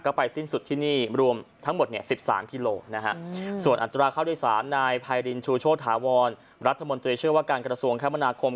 ก็ไปสิ้นสุดที่นี่รวมทั้งหมด๑๓พิโลกรัมส่วนอัตราเข้าด้วย๓นายไพรินชูโชธาวรรัฐมนต์ตัวเองเชื่อว่าการกระทรวงข้ามนาคม